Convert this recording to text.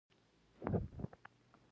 بزګرانو خولو ته خاورې واچولې.